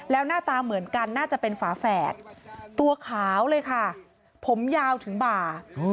แล้วหน้าตาเหมือนกันน่าจะเป็นฝาแฝดตัวขาวเลยค่ะผมยาวถึงบ่า